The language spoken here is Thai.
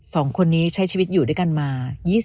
สองคนนี้ใช้ชีวิตอยู่ด้วยกันมา